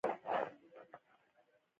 سپينه چپنه يې اغوستې وه.